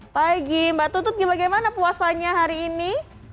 baik mbak tutut bagaimana puasanya hari ini